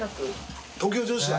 東京女子大？